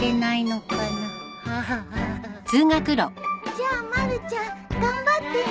ハハハじゃあまるちゃん頑張ってね。